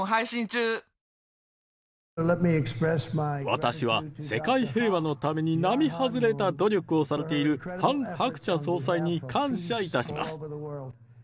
私は世界平和のために並外れた努力をされている、ハン・ハクチャ総裁に感謝いたします。